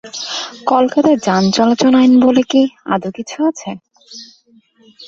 কলকাতা যান চলাচল আইন বলে কি আদৌ কিছু আছে?